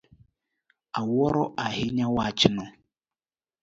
Awuoro ahinya wachno.